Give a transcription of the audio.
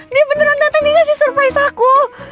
dia beneran datang dikasih surprise aku